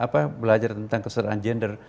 apa belajar tentang keseraan gender